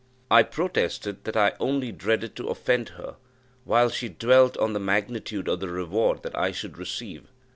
I protested that I had only dreaded to offend her; while she dwelt on the magnitude of the reward that I should receive.